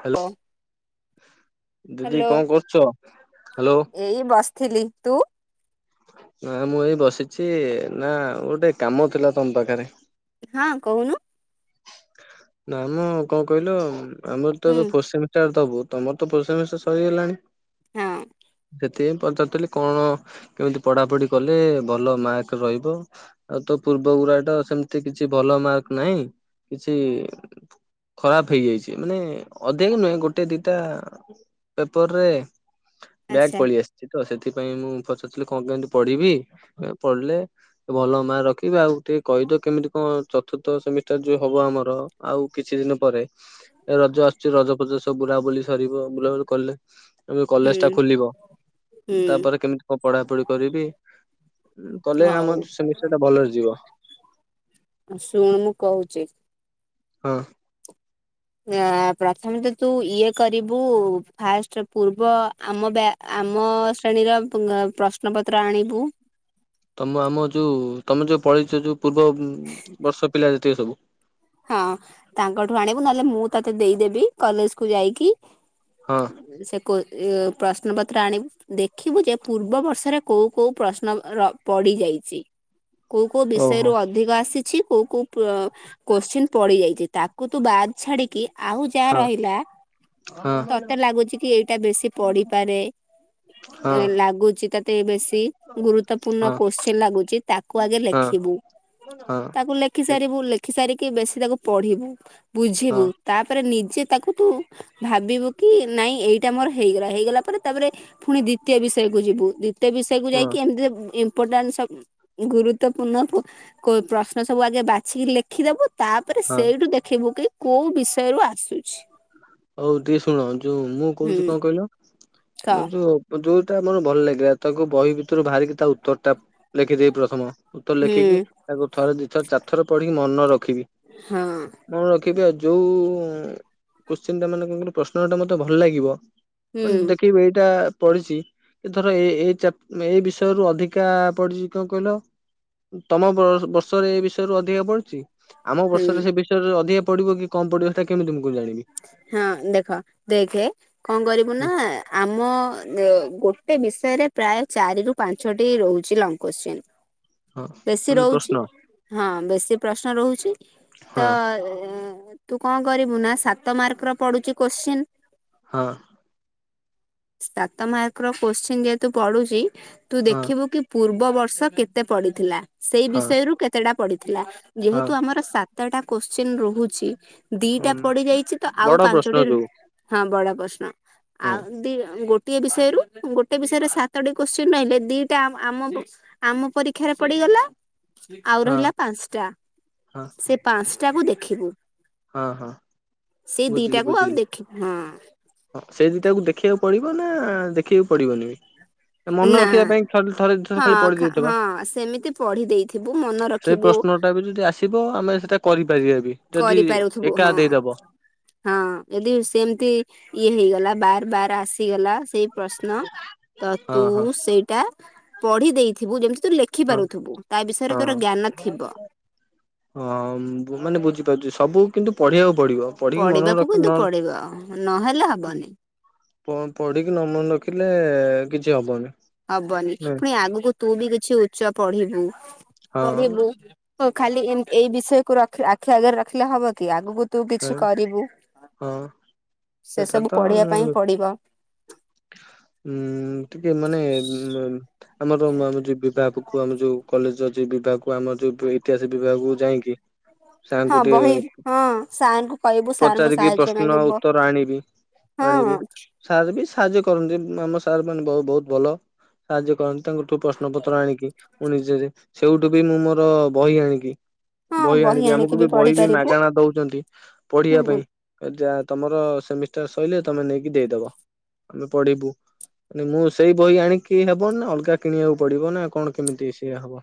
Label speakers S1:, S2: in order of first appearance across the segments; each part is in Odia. S1: ହାଲୋ ଦିଦି
S2: ହ୍ୟାଲୋ।
S1: କଣ କରୁଛ ହାଲୋ।
S2: ଏଇ ବସିଥିଲି ତୁ।
S1: ନା ମୁଁ ଏଇ ବସିଛି ନା ଗୋଟେ କାମ ଥିଲା ତମ ପାଖରେ।
S2: ହଁ କହୁନୁ।
S1: ନା ମ କଣ କହିଲ ଆମର ତ
S2: ହୁଁ
S1: ଏବେ ଫସ [inaudible] ତମର ତ ପଇସା ଫଇସା ସରିଗଲାଣି।
S2: ହଁ
S1: ସେ ପଚାରୁଥିଲି କଣ କେମିତି ପଢ଼ାପଢ଼ି କଲେ ଭଲ ମାର୍କ ରହିବ। ଆଉ ତୋ ପୂର୍ବ ଗୁଡା ତ ସେମିତି କିଛି ଭଲ ମାର୍କ ନାହିଁ କିଛି। ଖରାପ ହେଇଯାଇଛି ମାନେ ଅଧିକ ନୁହେଁ ଗୋଟେ ଦିଟା। ପେପରରେ ବାକ
S2: ଆଚ୍ଛା
S1: ପଳି ଆସିଛି। ତ ସେଥିପାଇଁ ମୁଁ ପଚାରୁଥିଲି କଣ କେମିତି ପଢିବି ପଢିଲେ ଭଲ ମାର୍କ ରଖିବି ଆଉ ଟିକେ କହିଦିଅ କେମିତି କଣ ଚତୁର୍ଥ ସେମିଷ୍ଟାର ଯୋଉ ହବ ଆମର। ଆଉ କିଛି ଦିନ ପରେ ଏ ରଜ ଆସୁଛି ରଜ ଫଜ ସବୁ ବୁଲାବୁଲି ସରିବ ବୁଲାବୁଲି କଲେ। ଏ
S2: ହୁଁ
S1: କଲେଜ ଟା ଖୋଲିବ
S2: ହୁଁ
S1: ତାପରେ କେମିତି କଣ ପଢାପଢି କରିବି। କଲେ
S2: ହଉ
S1: ଆମର ସେମି ଷ୍ଟାର୍ ଭଲରେ ଯିବ।
S2: ଶୁଣ ମୁଁ କହୁଛି।
S1: ହିଁ।
S2: ଆ ପ୍ରଥମେ ତ ତୁ ଇଏ କରିବୁ ଫାଷ୍ଟ ପୂର୍ବ ଆମ ଆମ ଶ୍ରେଣୀର ପ୍ରଶ୍ନପତ୍ର ଆଣିବୁ।
S1: ତମ ଆମ ଯୋଉ ତମ ଯୋଉ ପଳେଇଛ ଯୋଉ ପୂର୍ବ ବର୍ଷ ପିଲା ଯେତିକି ସବୁ
S2: ହଁ ତାଙ୍କଠୁ ଆଣିବୁ ନହେଲେ ମୁଁ ତତେ ଦେଇଦେବି କଲେଜ କୁ ଯାଇକି
S1: ହଁ।
S2: ସେ ପ୍ରଶ୍ନ ପତ୍ର ଆଣିବୁ ଦେଖିବୁ ଯେ ପୂର୍ବ ବର୍ଷରେ କୋଉ କୋଉ ପ୍ରଶ୍ନ ପଡି ଯାଇଛି। କୋଉ କୋଉ
S1: ଓହୋ
S2: ବିଷୟରୁ ଅଧିକ ଆସିଛି କୋଉ କୋଉ କୋଶ୍ଚିନ୍ ପଡି ଯାଇଛି ତାକୁ ତୁ ବାଦ ଛାଡିକି ଆଉ ଯାହା
S1: ହଁ
S2: ରହିଲା
S1: ହଁ
S2: ତତେ ଲାଗୁଚ କି ଏଇଟା ବେଶୀ ପଢିପାରେ
S1: ହଁ ହଁ
S2: ଏ ଲାଗୁଚି ତତେ ବେଶୀ ଗୁରୁତଵପୂର୍ଣ୍ଣ
S1: ହଁ ହଁ
S2: କୋଶ୍ଚନ ଲାଗୁଛି ତାକୁ ଆଗେ ଲେଖିବୁ।
S1: ହଁ।
S2: ତାକୁ ଲେଖି ସାରିବୁ ଲେଖି ସାରିକି ବେଶୀ ତାକୁ ପଢିବୁ ବୁଝିବୁ ତାପରେ ନିଜେ ତାକୁ ତୁ ଭାବିବୁ କି ନାଇଁ ଏଇଟା ମୋର ହେଇଗଲା ହେଇଗଲା ପରେ ତାପରେ ପୁଣି ଦ୍ଵିତୀୟ ବିଷୟକୁ ଯିବୁ। ଏତେ ବିଷୟକୁ
S1: ହଁ
S2: ଯାଇକି ଏମିତି ଇମ୍ପୋର୍ଟାନ୍ସ ଗୁରୁତ୍ୱପୂର୍ଣ୍ଣ ପ୍ରଶ୍ନ ସବୁ ଆଗେ ବାଛିିକି ଲେଖିଦବୁ ତାପରେ
S1: ହଁ
S2: ସେଇଠୁ ଦେଖିବୁ କି କୋଉ ବିଷୟରୁୁ ଆସୁଛି?
S1: ହଉ ଟିକେ ଶୁଣ ଯୋଉ ମୁଁ କହୁଛି
S2: ହୁଁ
S1: କଣ କହିଲ
S2: କହ
S1: ଆମର ଯୋଉ ଯୋଉଟା ଆମର ଭଲ ଲାଗିଲା ତାକୁ ବହି ଭିତରୁ ବାହାରିକି ତା ଉତ୍ତରଟା ଲେଖିଦେବି ପ୍ରଥମ ଉତର
S2: ହୁଁ
S1: ଲେଖିକି ତାକୁ ଥରେ ଦି ଥର ଚାରଥର ପଢିକି ମନ ରଖିବି
S2: ହଁ।
S1: ମୁଁ ରଖିବି ଆଉ ଯୋଉ କୋଶ୍ଚିନ୍ଟ ମାନେଙ୍କର ପ୍ରଶ୍ନଟା ମୋତେ ଭଲ ଲାଗିବ
S2: ହୁଁ
S1: ମାନେ ଦେଖେଇ ଏଇଟା ପଡ଼ିଛି ଏ ଧର ଏ ଏଇ ଏଇ ବିଷୟରୁୁ ଅଧିକା ପଡିଚି କଣ କହିଲ ତମ ବର୍ଷରେ ଏ ବିଷୟରୁ ଅଧିକା ପଢୁଛି ଆମ
S2: ହୁଁ
S1: ବର୍ଷରେ ସେ ବିଷୟରେ ଅଧିକା ପଡିବ କି କମ ପଡିବ ସେଟା କେମିତି ତମକୁ ଜାଣିବି,?
S2: ହଁ ଦେଖ ଦେଖେ କଣ କରିବୁ
S1: ହୁଁ,
S2: ନା ଆମ ଗୋଟେ ବିଷୟରେ ପ୍ରାୟ ଚାରି ରୁ ପାଞ୍ଚଟି ରହୁଛି ଲଙ୍ଗ କୋଶ୍ଚିନ୍
S1: ହଁ
S2: ବେଶୀ
S1: ମାନେ
S2: ରହୁଛି
S1: ପ୍ରଶ୍ନ
S2: ହଁ ବେଶୀ ପ୍ରଶ୍ନ ରହୁଛି। ତ
S1: ହଁ
S2: ତୁ କଣ କରିବୁ ନା ସାତ ମାର୍କ ର ପଡୁଛି କୋଶ୍ଚିନ୍?
S1: ହଁ।
S2: ସାତ ମାର୍କ ର କୋଶ୍ଚିନ୍ ଯେହେତୁ ପଢୁଛି ତୁ
S1: ହଁ
S2: ଦେଖିବୁ କି? ପୂର୍ବ ବର୍ଷ କେତେ ପଡିଥିଲା ସେଇ
S1: ହଁ
S2: ବିଷୟରୁ କେତେଟା ପଡିଥିଲା
S1: ହଁ
S2: ଯେହେତୁ ଆମର ସାତ୍ ଟା କୋଶ୍ଚିନ ରହୁଛି
S1: ହଁ
S2: ଦିଟା ପଡି ଯାଇଛି ତ
S1: ବଡ
S2: ଆଉ
S1: ପ୍ରଶ୍ନ
S2: ପାଞ୍ଚଟି
S1: ଯୋଉ
S2: ହଁ ବଡ ପ୍ରଶ୍ନ
S1: ହଁ
S2: ଆଉ ଦି ଗୋଟେ ଗୋଟିଏ ବିଷୟରୁ ଗୋଟେ ବିଷୟରେ ସାତଟି କୋଶ୍ଚିନ ରହିଲେ ଦିଟା ଆମ ଆମ ପରୀକ୍ଷାରେ ପଡିଗଲା। ଆଉ
S1: ହଁ
S2: ରହିଲା ପାଞ୍ଚଟା
S1: ହଁ
S2: ସେ ପାଞ୍ଚଟା କୁ ଦେଖିବୁ।
S1: ହଁ ହଁ।
S2: ସେଇ
S1: ବୁଝିଲି
S2: ଦିଟାକୁ ଆଉ
S1: ବୁଝିଲି
S2: ଦେଖି ହଁ।
S1: ହଁ ସେ ଦିଟାକୁ ଦେଖିବାକୁ ପଡିବ ନା ଦେଖିବାକୁ ପଡିବନି। ମନେ
S2: ନା
S1: ରଖିବା ପାଇଁ ଥରେ ଦି ଥର
S2: ହଁ
S1: ଖାଲି ପଡି ଦେଇଥିବା।
S2: ହଁ ସେମିତି ପଢି ଦେଇଥିବୁ ମନେ
S1: ସେଇ
S2: ରଖିବୁ
S1: ପ୍ରଶ୍ନଟା ବି ଯଦି ଆସିବ ଆମେ ସେଇଟା କରିପାରିବା ବି? ଯଦି
S2: କରିପାରୁଥିବୁ
S1: ଏକା
S2: ହଁ
S1: ଦେଇଦବ
S2: ହଁ ଯଦି ସେମିତି ଇଏ ହେଇଗଲା ବାର ବାର ଆସିଗଲା ସେଇ ପ୍ରଶ୍ନ। ତ
S1: ହଁ
S2: ତୁ
S1: ହଁ
S2: ସେଇଟା ପଢି ଦେଇଥିବୁ ଯେମିତି ତୁ ଲେଖ
S1: ହଁ
S2: ଲେଖିପାରୁଥିବୁ ତା ବିଷୟରେ
S1: ହଁ।
S2: ତୋର ଜ୍ଞାନ ଥିବ।
S1: ହଁ ମାନେ ବୁଝିପାରୁଛି ସବୁ କିନ୍ତୁ ପଢିବାକୁ ପଢିବ।
S2: ପଢିବାକୁ କିନ୍ତୁ ପଡିବ ଆ ନହେଲେ ହବନି।
S1: ପଢିକି ନମନ ରଖିଲେ କିଛି ହବନି।
S2: ହବନି
S1: ନାଇଁ
S2: ପୁଣି ଆଗକୁ ତୁ ବି କିଛି ଉଚ୍ଚ ପଢିବୁ
S1: ହଁ
S2: ପଢିବୁ। ହଉ ଖାଲି ଏମତି ଏଇ ବିଷୟକୁୁ ଖାଲି ଆଖି ଆଗରେ ରଖିଲେ ହବ କି ଆଗକୁ ତୁ କିଛି କରିବୁ
S1: ହଁ।
S2: ସେ
S1: ସେଟା
S2: ସବୁ ପଢିବା ପାଇଁ ପଡିବ।
S1: ଉୁଁ ଟିକେ ମାନେ ଉ ଆମର ଆମ ଯୋଉ ବିଭାଗକୁ ଆମ ଯୋଉ କଲେଜ ବିଭାଗକୁ ଆମର ଯୋଉ ଇତିହାସ ବିଭାଗକୁ ଯାଇକି। ହ
S2: ହଁ ବହି ହଁ ସାରଙ୍କୁ।
S1: ପଚାରିକି ପ୍ରଶ୍ନର ଉତ୍ତର ଆଣିବି ଆଣିବି।
S2: ହଁ
S1: ସାର୍ ବି ସାହାଯ୍ୟ କରନ୍ତି ଆମ ସାର୍ ମାନେ ବହୁତ ଭଲ ସାହାଯ୍ୟ କରନ୍ତି। ତାଙ୍କଠୁ ପ୍ରଶ୍ନ ପତ୍ର ଆଣିକି ମୁଁ ନିଜେରେ ସେଇଠୁ ବି ମୁଁ ମୋର ବହି ଆଣିକି
S2: ହଁ
S1: ବହି ଆଣିବି
S2: ଆଣିକି
S1: ଆମକୁ ବି ବହି
S2: ପଢି
S1: ବି
S2: ପାରିବୁ
S1: ମାଗଣା ଦଉଛନ୍ତି ପଢିବା
S2: ହୁଁ
S1: ପାଇଁ। ଏ ଯା ତମର ସେମିଷ୍ଟାର ସରିଲେ ତମେ ନେଇକି ଦେଇଦବ ଆମେ ପଢିବୁ। ନାନ ମୁଁ ସେଇ ବହି ଆଣିକି ହବ ନା ଅଲଗା କିଣିବାକୁ ପଡିବ ନା କଣ କେମିତି ସେଏ ହବ?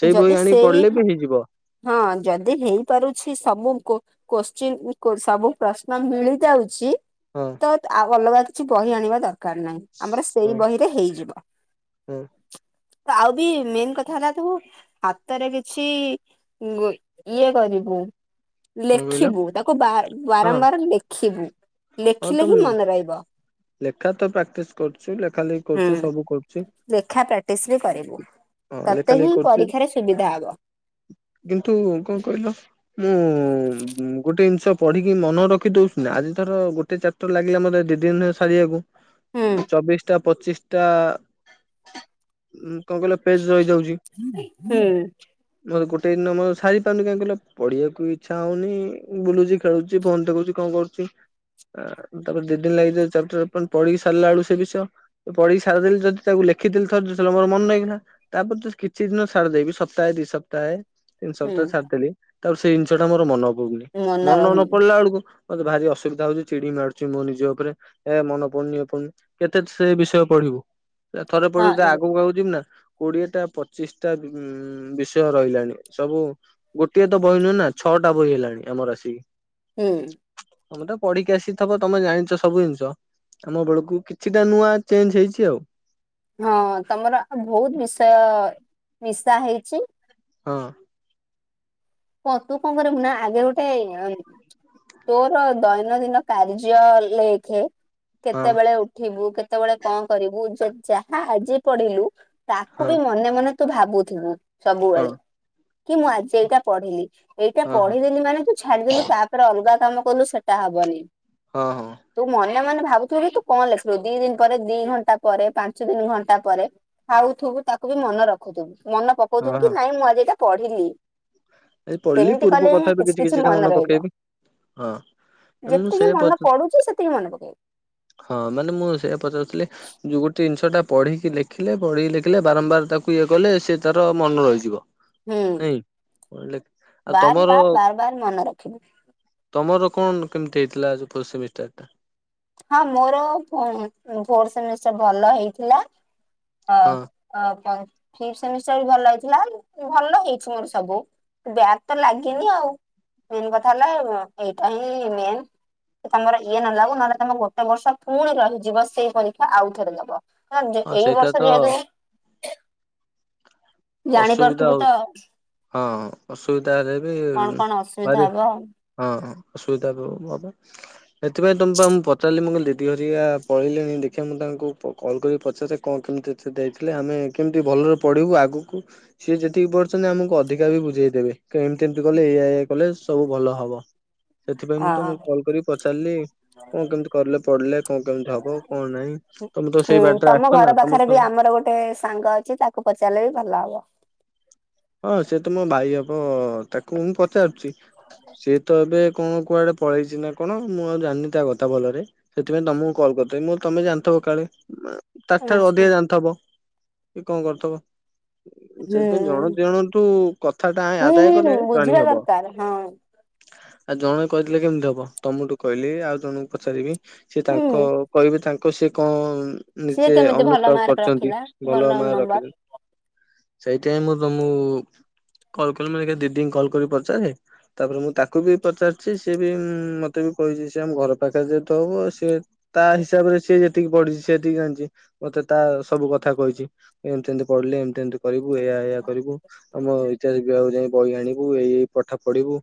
S1: ସେଇ ବହି
S2: ଯଦି
S1: ଆଣିକି
S2: ସେଇ
S1: ପଢିଲେ ବି ହେଇଯିବ?
S2: ହଁ ଯଦି ହେଇପାରୁଛି ସବୁଙ୍କୁ କୋଶ୍ଚିନ୍ ସବୁ ପ୍ରଶ୍ନ ମିଳି ଯାଉଛି?
S1: ହଁ।
S2: ଅଲଗା କିଛି ବହି ଆଣିବା ଦରକାର ନାହିଁ ଆମର ସେଇ
S1: ହଁ
S2: ବହିରେ ହେଇଯିବ।
S1: ହଁ
S2: ଆଉ ବି ମେନ୍ କଥା ହେଲା ତବୁ ହାତରେ କିଛି ଇଏ କରିବୁ
S1: କଣ କହିଲ
S2: ଲେଖିବୁ ତାକୁ ବାର
S1: ହଁ
S2: ବାରମ୍ବାର ଲେଖିବୁ
S1: ହଁ ତ
S2: ଲେଖିଲେ ହିଁ ମନେ ରହିବ।
S1: ଲେଖା ତ ପ୍ରାକ୍ଟିସ କରୁଛି ଲେଖା ଲେଖି
S2: ହୁଁ
S1: କରୁଛୁ ସବୁ କରୁଛି
S2: ଲେଖା ପ୍ରାକ୍ଟିସ ବି କରିବୁ
S1: ହଁ ଲେଖା
S2: ତତେ
S1: ଲେଖି
S2: ହିଁ
S1: କରୁଛି
S2: ପରୀକ୍ଷାରେ ସୁବିଧା ହବ।
S1: କିନ୍ତୁ କଣ କହିଲ ମୁଁ ଗୋଟେ ଜିନିଷ ପଢ଼ିକି ମନ ରଖି ଦେଉଛନ୍ତି ଆଜି ଥର ଗୋଟେ ଚାପ୍ଟର ଲାଗିଲା ମତେ ଦୁଇ ଦିନ
S2: ହୁଁ
S1: ସାରିବାକୁ ଚବିଶଟା ପଚିଶ ଟା କଣ କହିଲେ ପେଜ ରହିଯାଉଛି
S2: ହୁଁ
S1: ମୋତେ ଗୋଟେ ଦିନ ମର ସାରି ପାରୁନ କାହିଁ କିଲ ପିବାକୁ ଇଛା ହଉନି ବୁଲୁଛି ଖେଳୁଛି ଫୋନ ଦେଖୁଛି କଣ କରୁଛି। ତାପରେ ଦି ଦିନ ଲାଗିଯ ଚପଟର ପଢିକି ସାରିଲା ବଳୁ ସେ ବିଷୟ ପଢି ସାରିଦଲି ଯଦି ତାକୁ ଲେଖିଥିଲଥ ଯେତେଲେ ମୋ ମନ ନେଇଇିଥିଲା। ତାପରେ ତ କିଛି ଦିନ ଛାଡ଼ିଦେବି ସପ୍ତାହେ ଦି ସପ୍ତାହେ। ତିନି
S2: ହୁଁ
S1: ସପ୍ତାହ ଛାଡିଦେଲି ତାପରେ ସେଇ ଜିନିଷ ଟା ମୋର ମନ ପଡଉୁନି
S2: ମନେ
S1: ମନ ନ
S2: ରହୁନି
S1: ପଡିଲା ବେଳକୁ ମୋତେ ଭାରି ଅସୁବିଧା ହଉଛି ଚିଡିି ମାରୁଛି ମୁଁ ନିଜ ଉପରେ ଏ ମନ ପଡୁନି ଏ ପଡୁନି କେତେ ସେ ବିଷୟ ପଢିବୁ। ଥରେ
S2: ହଁ
S1: ପଡିବୁ ତା ଆଗକୁ ଆଉ ଯିବୁ ନା? କୋଡିଏଟା ପଚିଶ ଟା ବିଷୟ ରହିଲାଣି ସବୁ ଗୋଟିଏ ତ ବହିନୁ ନା। ଛଅଟା ବହି ହେଲାଣି ଆମର ଆସିକି।
S2: ହୁଁ।
S1: ତମେ ତ ପଢିକି ଆସିିଥିବ ତମେ ଜାଣିଛ ସବୁ ଜିନିଷ। ଆମ ବେଳକୁ କିଛିଟା ନୂଆ ଚେଞ୍ଜ ହେଇଛି ଆଉ।
S2: ହଁ ତମର ବହୁତ ବିଷୟ ମିଶା ହେଇଛି।
S1: ହଁ।
S2: କ ତୁ କଣ କରିବୁ ନା ଆଗେ ଗୋଟେ ତୋର ଦୈନଦିନ କାର୍ଯ୍ୟ ଲେଖେ। କେତେବେଳେ ଉଠିବୁ କେତେବେଳେ କଣ କରିବୁ ଯ ଯାହା ଆଜି ପଢିଲୁ ତାକୁ
S1: ହଁ
S2: ବି ମନେ ମନେ ତୁ ଭାବୁଥୁବୁ
S1: ହଁ
S2: ସବୁବେଳେ କି ମୁଁ ଆଜି ଏଇଟା ପଢିଲି। ଏଇଟା
S1: ହଁ ହଁ ହଁ
S2: ପଢିଦେଲୁ ମାନେ ତୁ ଛାଡିଦେଲୁ ତାପରେ ଅଲଗା କାମ କଲୁ ସେଟା ହବନି।
S1: ହଁ ହଁ।
S2: ତୁ ମନେ ମନେ ଭାବୁଥିବୁ କି ତୁ କଣ ଲେଖିଲୁ ଦି ଦିନି ପରେ ଦି ଘଣ୍ଟା ପରେ ପାଞ୍ଚ ଦିନ ଘଣ୍ଟା ପରେ ଖାଉଥୁବୁ ତାକୁ ବି ମନେ ରଖୁଥୁବୁ ମନେ
S1: ହଁ
S2: ପକଉଥୁବୁ
S1: ହଁ
S2: କି ନାଇଁ ମୁଁ ଆଜି ଏଟା ପଢିଲି।
S1: ଏଇ ପଢିଲି
S2: ସେମିତି
S1: ପୂର୍ବ
S2: କଲେ
S1: କଥା
S2: ହେଁ
S1: ବି
S2: କିଛି କିଛି
S1: କିଛିଟା
S2: ମନେ ରହିବ।
S1: ପକେଇବି ହଁ ମୁଁ ସେ
S2: ଯେତିକି ମନେ
S1: ପଚ
S2: ପଡୁଚି ସେତିକି ମନେ ପକେଇବୁ।
S1: ହଁ ମାନେ, ମୁଁ ସେଇୟାପଚାରୁଥିଲି ଯୋଉ ଗୋଟେ ଜିନିଷ ଟା ପଢିକି ଲେଖିଲେ, ପଢିକି ଲେଖିଲେ ବାରମ୍ବାର ତାକୁ ଇଏ କଲେ ସେ ତାର ମନ ରହିଯିବ। ଏଇ
S2: ବାର୍, ବାର୍, ବାର୍, ବାର୍ ମନେ ରଖିବୁ।
S1: ତମର କଣ କେମିତି ହେଇଥିଲା ଯୋ ଫୋର୍ ସେମିଷ୍ଟାରଟା?
S2: ହଁ ମୋର ଫୋ-ଫୋର୍ ସେମିଷ୍ଟାର୍ ଭଲ ହେଇଥିଲା
S1: ହଁ।
S2: ଅ ଫିପ୍ ସେମିଷ୍ଟାର୍ ବିଭଲ ହେଇଥିଲା, ଭଲ ହେଇଚି ମୋର ସବୁ। ବ୍ୟାକ ତ ଲାଗିନି ଆଉ, ମେନ୍ କଥା ହେଲା ଏଇଟା ହିଁ ମେନ୍। ତମର ଇଏ ନ ଲାଗୁ, ନହେଲେ ତମେ ଗୋଟେ ବର୍ଷ ପୁଣି ରହିଯିବ, ସେଇ ପରୀକ୍ଷା ଆଉଥରେ ଦବ। ହଁଜ୍
S1: ହଁ
S2: ଏଇ
S1: ସେଇଟା
S2: ବର୍ଷ
S1: ତ
S2: ଯେହେତୁ
S1: ଅସୁବିଧା
S2: ଜାଣିପାରୁଥୁବୁ
S1: ହଉ
S2: ତ।
S1: ହଁ ହଁ ଅସୁବିଧା ରେ ବି
S2: କଣ କଣ ଅସୁବିଧା
S1: ପାରି
S2: ହବ
S1: ହଁ ହଁ ଅସୁବିଧା ଏବେ ହବ। ସେଥିପାଇଁ ତମୁକୁ ମୁଁ ପା ପଚାରିଲି, ମୁଁ କହିଲି ଦିଦି ଘରିକା ପଳେଇଲେଣି, ଦେଖିବା ମୁଁ ତାଙ୍କୁ ପ-କଲ୍ କରି ପଚାରେ କଣ କେମିତି ସେ ଦେଇଥିଲେ, ଆମେ କେମିତି ଭଲରେ ପଢିବୁ ଆଗୁକୁ ସିଏ ଯେତିକି ପଢିଚନ୍ତି ଆମକୁ ଅଧିକା ବି ବୁଝେଇ ଦେବେ, ଏମିତି ଏମିତି କଲେ ଏଇୟା, ଏଇୟା କଲେ ସବୁ ଭଲ ହବ। ସେଥିପାଇଁ ମୁଁ
S2: ଆଉ।
S1: ତମକୁ କଲ୍ କରିିକି ପଚାରିଲି କଣ କେମିତି କଲେ ପଢିଲେ କଣ କେମିତି ହବ, କଣ ନାଇଁ, ତମେ ତ ସେଇ ବାଟରେ ଆସିଛ ନା, ତମେ
S2: ଥରେ ବି ଆମର ଗୋଟେ ସାଙ୍ଗ ତାକୁ ପଚାରିଲେବି ଭଲ ହବ।
S1: ହଁ ସିଏ ତ ମୋ ଭାଇ ହବ, ତାକୁ ମୁଁ ପଚାରୁଚି, ସିଏ ତ ଏବେ କଣ କୁଆଡେ ପଳେଇଚି ନା କଣ, ମୁଁ ଆଉ ଜାଣିନି ତା କଥା ଭଲରେ ସେଥିପାଇଁ ତମକୁ କଲ୍ କର୍ଥିନି ମୁଁ କଁ ତମେ ଜାଣିଥବ କାଳେ? ମାଁ ତାଠାରୁ
S2: ଆଚ୍ଛା।
S1: ଅଧିକା ଜାଣିଥବ, କି କଣ କରିଥବ,
S2: ହୁଁ
S1: ସେଥପାଇଁ ଜଣ ନ୍ତୁ କଥାଟା ହିଁ
S2: ହୁଁ
S1: ଆଦାୟ
S2: ହୁଁ
S1: କଲେ ଜାଣି
S2: ବୁଝିବା
S1: ହବ।
S2: ଦରକାର ହଁ
S1: ଆଉ ଜଣେ କହିଦେଲେ କେମିତି ହବ, ତମଠୁ କହିଲି, ଆଉ ଜଣଙ୍କୁ ପଚାରିବି ସେ
S2: ହୁଁ।
S1: ତାଙ୍କ କହିବେ, ତାଙ୍କ ସେ କଁ
S2: ସିଏ
S1: ନିଜେ
S2: କେମିତି ଭଲ
S1: ଅନୁତାପ
S2: ମାର୍କ
S1: କରିଚନ୍ତି,
S2: ରଖିଲା
S1: ଭଲ ମାର୍କ
S2: ନମ୍ବର?
S1: ରଖିଚନ୍ତି। ସେଇଥିପାଇଁ ମୁଁ ତ ମୁଁ କଲ୍ କଲି, ମାନେ ଦିଦିଙ୍କୁ କଲ୍ କରି ପଚାରେ ତାପରେ ମୁଁ ତାକୁ ବି ପଚାରିଛି, ସିଏ ବି- ମତେ ବି କହିଛି। ସିଏ ଆମ ଘର ପାଖରେ ଯେହେତୁ ହବ ସିଏ ତା ହିସାବରେ ସିଏ ଯେତିକି ପଢିଚି ସେତିକି ଜାଣିଚି। ମତେ ତା ସବୁ କଥା କହିଚି। ଏମତି ଏମିତି ପଢିଲେ ଏମତି ଏମିତି କରିବୁ ଏଇଆ ଏଇଆ କରିବୁ। ଆମ ଇତିହାସ ବିିଭାଗକୁ ଯାଇଁ ବହି ଆଣିବୁ, ଏଇ ଏଇ ପାଠ ପଢିବୁ।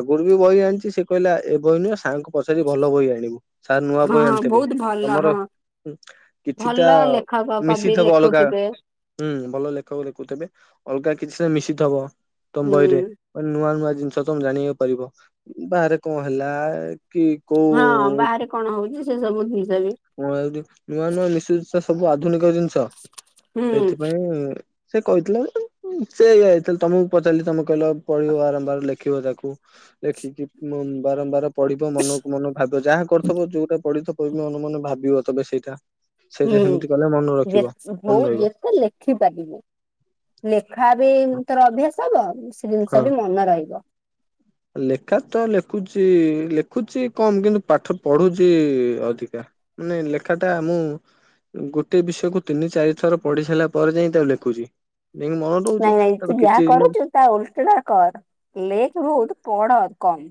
S1: ଆଗରୁ ବି ବହି ଆଣିଛି, ସେ କହିଲା ଏ ବହି ନୁହେଁ ସାର୍ ଙ୍କୁ ପଚାରି ଭଲ ବହି ଆଣିବୁ। ସାରେ ନୂଆ
S2: ହଁ
S1: ବହି
S2: ହଁ
S1: ଆଣିଥେବେ,
S2: ବହୁତ ଭଲ
S1: ତମର
S2: ହଁ
S1: ଉଁ, କିଛିଟା
S2: ଭଲ ଲେଖକ କବି
S1: ମିଶିଥବ ଅଲଗା
S2: ଲେଖୁଥିବେ।
S1: ହୁଁ ହୁଁ ଭଲ ଲେଖକ ଲେଖୁଥିବେ। ‌ଅଲଗା କିଛି ଟା ମିଶିଥବ ତମ
S2: ହୁଁ
S1: ଵହିରେ ମାନେ ନୂଆ ନୂଆ ଜିନିଷ ତମେ ଜାଣିବାକୁ ପାଇବ। ବାହାରେ କଣ ହେଲା ଏ
S2: ହଁ ବାହାରେ କଣ ହଉଚି, ସେ ସବୁ ଜିନିଷ ବି
S1: ମୁଁ ଭାବିଲି, ନୂଆ ନୂଆ ନିଶିିତ ସବୁ ଆଧୁନିକ ଜିନିଷ।
S2: ହୁଁ
S1: ସେଇଥିପାଇଁ ସେ କହିଥିଲା ସେଇଆ ଯେତେବେଳେ ତମକୁ ପଚାରିଲି ତମେ କହିଲ, ପଢିବ ବାରମ୍ବାର ଲେଖିବ ତାକୁ। ଲେଖିକି ମ ବାରମ୍ବାର ପଢିବ ମନକୁ ମନ ଭାବିବ ଯାହା କରିଥିବ ଯୋଉଟା ପଢିଥିବ ମନକୁ ମନ ଭାବିବ ତବେ ସେଇଟା। ସେଇଟା
S2: ହୁଁ
S1: ସେମିତି କଲେ ମନେ ରଖିବ
S2: ଯେତେ ହଉ
S1: ମନେ ରହିବ
S2: ଯେତେ ଲେ ଖିପାରିବୁ, ଲେଖା ବି ତୋର ଅଭ୍ୟାସ ହବ ସେ
S1: ହଁ।
S2: ଜିନିଷ ବି ମନେ ରହିବ।
S1: ଲେଖା ତ ଲେଖୁଛି, ଲେଖୁଛି କମ୍ କିନ୍ତୁ ପାଠ ପଢୁଛି ଅଧିକା। ମାନେ ଲେଖା ଟା ମୁଁ ଗୋଟେ ବିଷୟ କୁ ତିନି ଚାରି ଥର ପଢି ସାରିଲା ପରେ ଯାଇ ତାକୁ ଲେଖୁଛି। ନେଇ ମନ ଦୋଉଛି
S2: ନାଇଁ ନାଇଁ ତୁ
S1: ତାପରେ
S2: ଯାହା
S1: କିଛି ଦିନ
S2: କରୁଛୁ ତା ଓଲୋଟା ଟା କର, ଲେଖ୍ ବହୁତ୍ ପଢ କମ୍।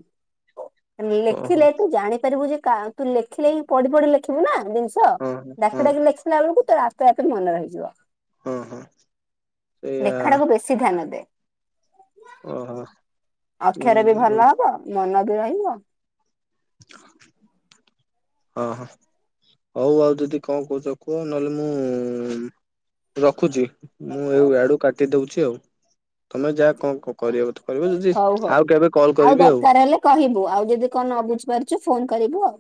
S1: ହଁ ହଁ
S2: ଲେଖିଲେ ତୁ ଜାଣିପାରିବୁ ଯେ କା ତୁ ଲେଖିଲେ ହିଁ ପଢି ପଢି ଲେଖିବୁ ନା ଜିନିଷ ସ
S1: ହଁ ହଁ
S2: ଡାକି ଡାକି ଲେଖିିଲା ବେଳକୁ ତାର ଆପେ ଆପେ ମନେ ରହିଯିବ।
S1: ହଁ ହଁ। ସେଇଆ
S2: ଲେଖାଟାକୁ ବେଶୀ ଧ୍ୟାନ ଦେ।
S1: ଓହୋ। ହୁଁ
S2: ଅକ୍ଷର ବି
S1: ହଁ
S2: ଭଲ ହବ, ମନ ବି ରହିବ।
S1: ଓହୋ। ହଉ ଆଉ ଦିଦି କଣ କହୁଛ କୁହ? ନହେଲେ ମୁଁ ରଖୁଛି? ମୁଁ ଏଉ ଆଡୁ କାଟି ଦଉଛି ଆଉ, ତମେ ଯା କଣ କରିବ ବଧେ। କରିବ ଦିଦି
S2: ହଉ ହଉ
S1: ଆଉ କେବେ କଲ୍ କରିବି ଆଉ।
S2: ଦରକାର ହେଲେ କହିବୁ ଆଉ ଯଦି କଣ ନ ବୁଝିପାରୁଛୁ ଫୋନ କରିବୁ ଆଉ।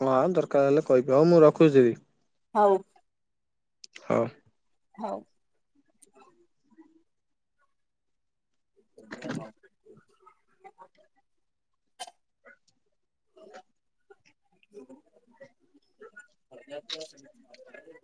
S1: ହଁ ଆଉ ଦରକାର ହେଲେ କହିବି, ହଉ ମୁଁ ରଖୁଛି ଦିଦି?
S2: ହଉ।
S1: ହଁ।
S2: ହଉ।
S1: [inaudible]
S2: [unintelligible] [unintelligible]